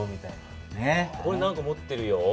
これ何か持ってるよ。